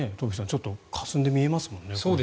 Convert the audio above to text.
ちょっとかすんで見えますよね。